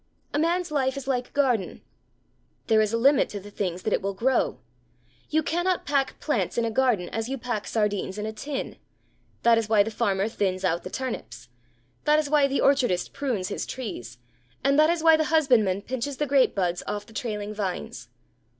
A man's life is like a garden. There is a limit to the things that it will grow. You cannot pack plants in a garden as you pack sardines in a tin. That is why the farmer thins out the turnips; that is why the orchardist prunes his trees; and that is why the husbandman pinches the grapebuds off the trailing vines.